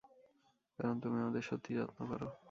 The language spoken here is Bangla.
কারণ তুমি আমাদের সত্যিই যত্ন করো।